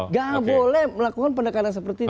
nggak boleh melakukan pendekatan seperti itu